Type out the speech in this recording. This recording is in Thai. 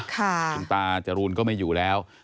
คุณตาจรูนก็ไม่อยู่แล้ว